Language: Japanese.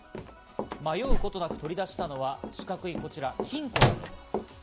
迷うことなく取り出したのは四角いこちらの金庫なんです。